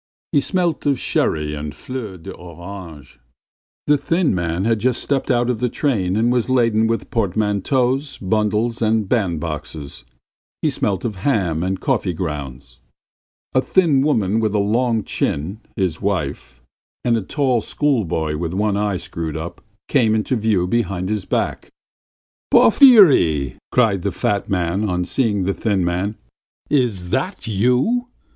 He smelt of sherry and fleur d'orange. The thin man had just slipped out of the train and was laden with portmanteaus, bundles, and bandboxes. He smelt of ham and coffee grounds. A thin woman with a long chin, his wife, and a tall schoolboy with one eye screwed up came into view behind his back. "Porfiry," cried the fat man on seeing the thin man. "Is it you?